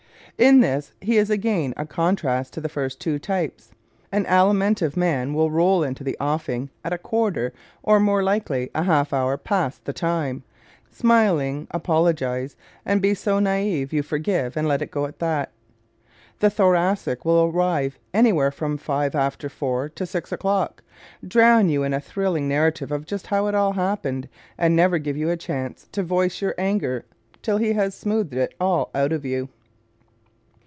In this he is again a contrast to the first two types. An Alimentive man will roll into the offing at a quarter, or more likely, a half hour past the time, smilingly apologize and be so naive you forgive and let it go at that. The Thoracic will arrive anywhere from five after four to six o'clock, drown you in a thrilling narrative of just how it all happened, and never give you a chance to voice your anger till he has smoothed it all out of you.